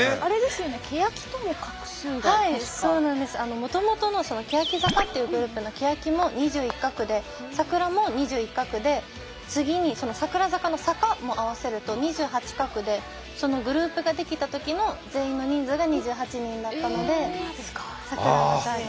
もともとの欅坂っていうグループの欅も２１画で櫻も２１画で次に櫻坂の坂も合わせると２８画でグループができた時の全員の人数が２８人だったので櫻にした。